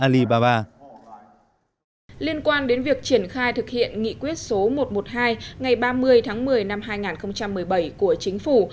liên quan đến việc triển khai thực hiện nghị quyết số một trăm một mươi hai ngày ba mươi tháng một mươi năm hai nghìn một mươi bảy của chính phủ